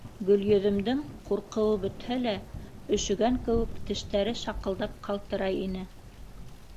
Гөлйөҙөмдөң ҡурҡыуы бөтһә лә, өшөгән кеүек, тештәре шаҡылдап ҡалтырай ине.